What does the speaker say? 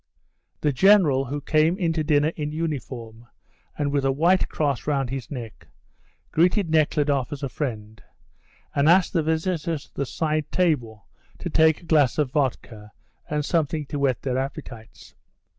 The General, who came in to dinner in uniform and with a white cross round his neck, greeted Nekhludoff as a friend, and asked the visitors to the side table to take a glass of vodka and something to whet their appetites.